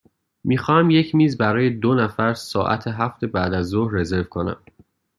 می خواهم یک میز برای دو نفر ساعت هفت بعدازظهر رزرو کنم.